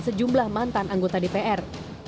sejumlah mantan anggota dpr